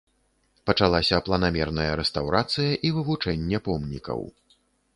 Пачалася планамерная рэстаўрацыя і вывучэнне помнікаў.